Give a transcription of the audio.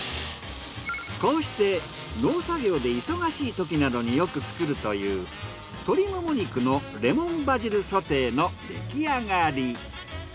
こうして農作業で忙しい時などによく作るという鶏モモ肉のレモンバジルソテーの出来上がり。